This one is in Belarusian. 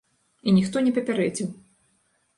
І ніхто не папярэдзіў.